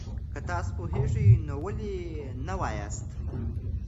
که تاسو پوهېږئ، نو ولې نه وایاست؟